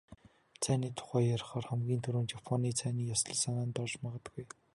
Цайны тухай ярихаар хамгийн түрүүнд "Японы цайны ёслол" санаанд орж магадгүй.